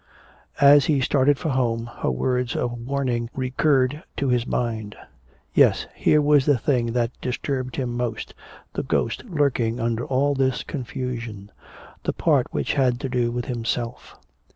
As he started for home, her words of warning recurred to his mind. Yes, here was the thing that disturbed him most, the ghost lurking under all this confusion, the part which had to do with himself.